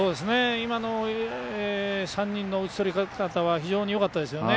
今の３人の打ち取り方は非常によかったですよね。